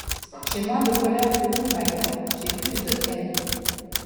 J’ai moins de colère que vous, mylord, j’ai plus de haine.